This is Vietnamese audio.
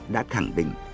đã khẳng định